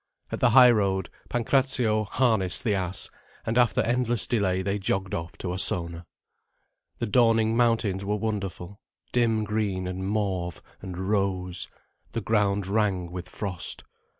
At the high road, Pancrazio harnessed the ass, and after endless delay they jogged off to Ossona. The dawning mountains were wonderful, dim green and mauve and rose, the ground rang with frost.